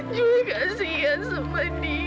juli kasihan sama dia